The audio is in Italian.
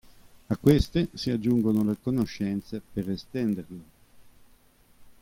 A queste si aggiungono le conoscenze per estenderlo.